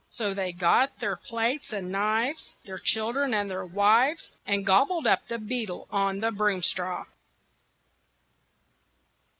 So they got their plates and knives, Their children and their wives, And gobbled up the beetle on the broomstraw.